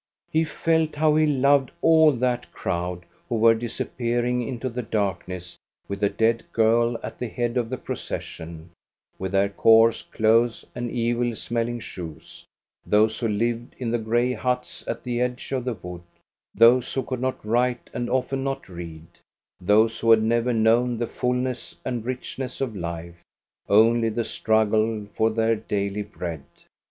He felt how he loved all that crowd who were disappearing into the darkness with the dead girl at the head of the procession, with their coarse clothes and evil smelling shoes; those who lived in the gray huts at the edge of the wood ; those who could not write and often not read ; those who had never known the fulness and richness of life, only the struggle for their daily bread.